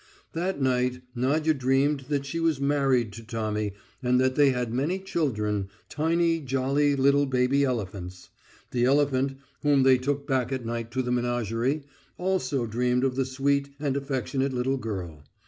That night Nadya dreamed that she was married to Tommy and that they had many children, tiny, jolly, little baby elephants. The elephant, whom they took back at night to the menagerie, also dreamed of the sweet and affectionate little girl.